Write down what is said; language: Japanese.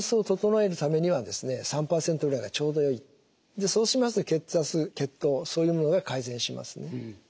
でそうしますと血圧血糖そういうものが改善しますね。